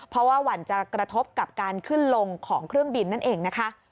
เพราะว่าหวั่นจะกระทบกับการขึ้นลงของเครื่องบินนั่นเองนะคะ